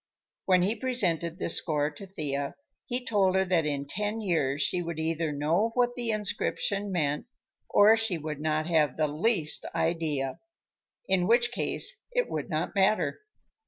When he presented this score to Thea, he told her that in ten years she would either know what the inscription meant, or she would not have the least idea, in which case it would not matter.